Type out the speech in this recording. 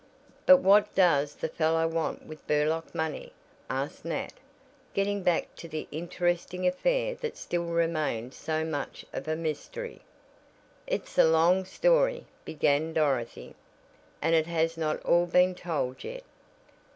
"But what does the fellow want with the Burlock money?" asked Nat, getting back to the interesting affair that still remained so much of a mystery. "It's a long story," began Dorothy, "and it has not all been told yet.